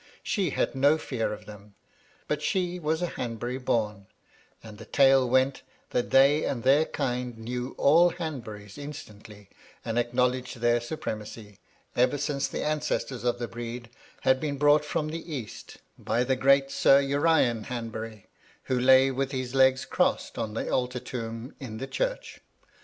She had no fear of them ; but she was a Hanbury born, and the tale went, that they and their kind knew all Hanburys instantly, and acknowledged their supremacy, ever since the ancestors of the breed had been brought from the East by the great Sir Urian Hanbury, who lay with his legs crossed on the altar tomb in the chiu'ch.